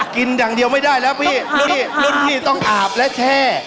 กินอย่างเดียวไม่ได้แล้วพี่พี่ต้องอาบและแช่